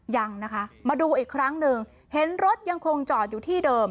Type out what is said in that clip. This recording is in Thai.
ยังนะคะมาดูอีกครั้งหนึ่งเห็นรถยังคงจอดอยู่ที่เดิม